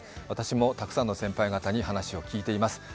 私も、たくさんの先輩方に話を聞いています。